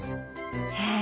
へえ。